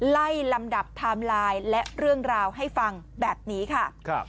ไล่ลำดับไทม์ไลน์และเรื่องราวให้ฟังแบบนี้ค่ะ